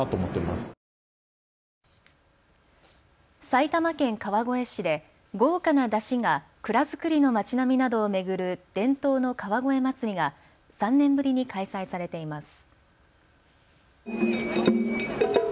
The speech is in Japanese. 埼玉県川越市で豪華な山車が蔵造りの町並みなどを巡る伝統の川越まつりが３年ぶりに開催されています。